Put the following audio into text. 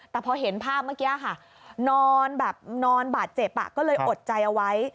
แต่พอเห็นภาพเมื่อกี้ค่ะนอนแบบนอนบาดเจ็บก็เลยอดใจเอาไว้